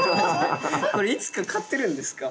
いつか勝てるんですか？